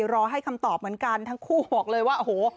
รอให้คำตอบเหมือนกันทั้งคู่บอกเลยว่าโอ้โห